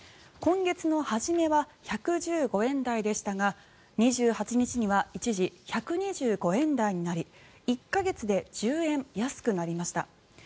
今月の初めは１１５円台でしたが２８日には一時１２５円台になり１か月で１０円安くなりました。